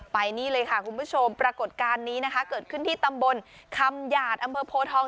ไปนี่เลยค่ะคุณผู้ชมปรากฏการณ์นี้นะคะเกิดขึ้นที่ตำบลคำหยาดอำเภอโพทอง